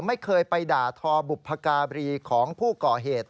ไม่เคยไปด่าทอบุพการีของผู้ก่อเหตุ